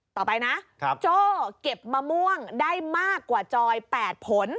ต่อไปนะโจ้เก็บมะม่วงได้มากกว่าจอย๘ผล